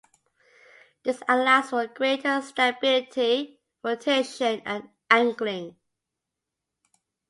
This allows for greater stability, rotation and angling.